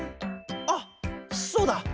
あっそうだ。